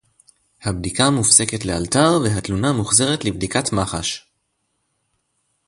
"הבדיקה מופסקת לאלתר והתלונה מוחזרת לבדיקת מח"ש"